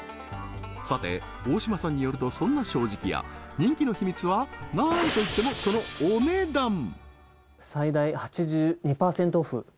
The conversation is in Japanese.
さて大島さんによるとそんな正直屋人気の秘密は何といってもそのお値段！